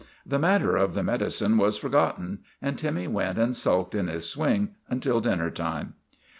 The matter of the medi cine was forgotten, and Timmy went and sulked in his swing until dinner time.